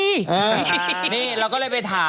นี่เราก็เลยไปถาม